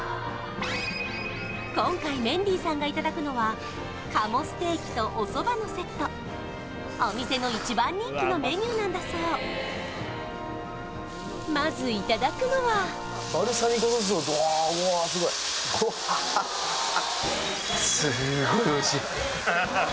今回メンディーさんがいただくのは鴨ステーキとおそばのセットお店の一番人気のメニューなんだそうまずいただくのはバルサミコソースをわあすごいすごい美味しい